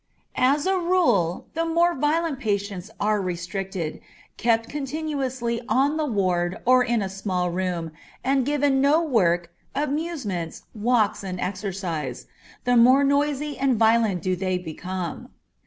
As a rule the more violent patients are restricted, kept continuously on the ward, or in a small room, and given no work, amusements, walks, and exercise, the more noisy and violent do they become.